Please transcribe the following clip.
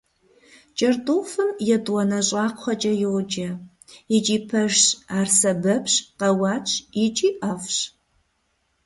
КӀэртӀофым «етӀуанэ щӀакхъуэкӀэ» йоджэ, икӀи пэжщ, ар сэбэпщ, къэуатщ икӀи ӀэфӀщ.